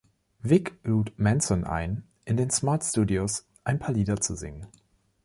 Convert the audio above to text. Vig lud Manson ein, in den Smart Studios ein paar Lieder zu singen.